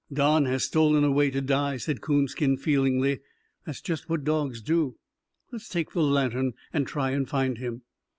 "Don has stolen away to die," said Coonskin, feelingly. "That's just what dogs do. Let's take the lantern and try and find him."